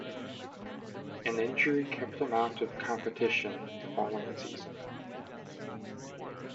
An injury kept him out of competition the following season.